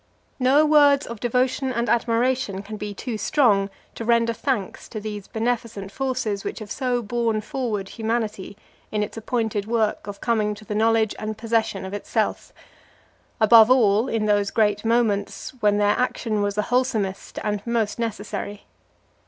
No words of devotion and admiration can be too strong to render thanks to these beneficent forces which have so borne forward humanity in its appointed work of coming to the knowledge and possession of itself; above all, in those great moments when their action was the wholesomest and the most necessary.